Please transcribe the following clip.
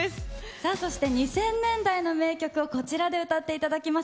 さあそして、２０００年代の名曲をこちらで歌っていただきます。